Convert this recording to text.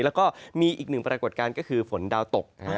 แล้วก็มีอีกหนึ่งปรากฏการณ์ก็คือฝนดาวตก